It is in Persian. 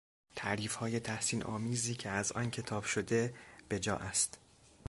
تعریفهای تحسینآمیزی که از آن کتاب شده به جا است.